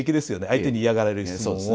相手に嫌がられる質問を。